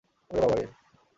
ওরে বাবা রে।